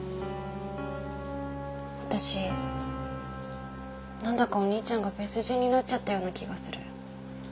私なんだかお兄ちゃんが別人になっちゃったような気がする。